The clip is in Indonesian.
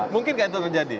mungkin kan itu terjadi